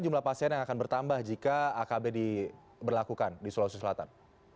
jumlah pasien yang akan bertambah jika akb diberlakukan di sulawesi selatan